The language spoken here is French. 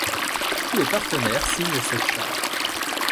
Tous les partenaires signent cette charte.